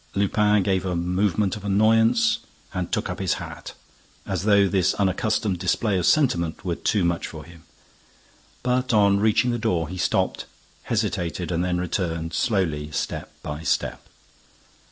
Lupin gave a movement of annoyance and took up his hat, as though this unaccustomed display of sentiment were too much for him. But, on reaching the door, he stopped, hesitated and then returned, slowly, step by step.